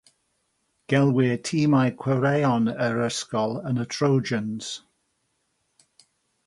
Gelwir timau chwaraeon yr ysgol yn y Trojans.